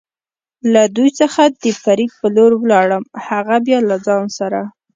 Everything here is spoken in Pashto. له دوی څخه د فرید په لور ولاړم، هغه بیا له ځان سره.